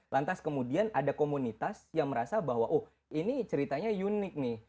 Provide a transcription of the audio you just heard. lantas kemudian ada komunitas yang merasa bahwa oh ini ceritanya unik nih